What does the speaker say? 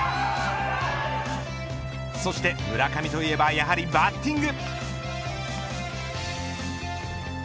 そして、村上といえばやはりバッティング。